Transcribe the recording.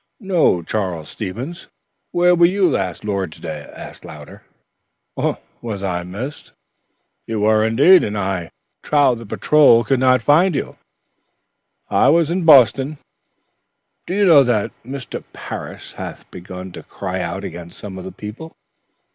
"Ho, Charles Stevens, where were you last Lord's Day?" asked Louder. "Was I missed?" "You were, and I trow the patrol could not find you." "I was in Boston." "Do you know that Mr. Parris hath begun to cry out against some of the people?"